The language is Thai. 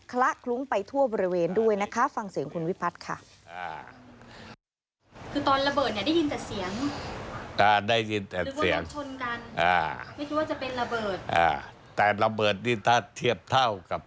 คละคลุ้งไปทั่วบริเวณด้วยนะคะฟังเสียงคุณวิพัฒน์ค่ะ